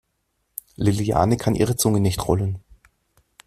Liliane kann ihre Zunge nicht rollen.